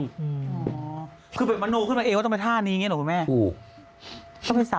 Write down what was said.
คือคือเป็นมาโน้กขึ้นมาเองว่าต้องไปท่านี้เนี่ยหรือไม่